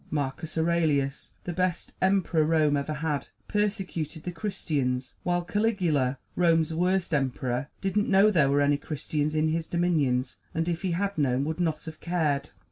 Marcus Aurelius, the best emperor Rome ever had, persecuted the Christians; while Caligula, Rome's worst emperor, didn't know there were any Christians in his dominions, and if he had known would not have cared.